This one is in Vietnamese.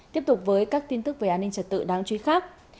tiếp tục với các tin tức về an ninh trật tự đáng chú ý khác